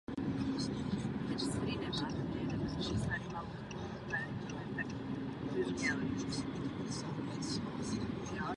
Pravidla kompozice jsou mimořádně přísná.